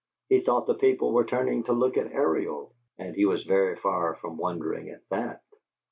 He thought the people were turning to look at Ariel, and he was very far from wondering at that.